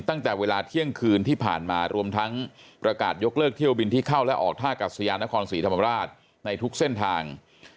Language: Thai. ตั้งแต่เวลาเที่ยงคืนที่ผ่านมารวมทั้งประกาศยกเลิกเที่ยวบินที่เข้าและออกท่ากัสยานครศรีธรรมราชในทุกเส้นทาง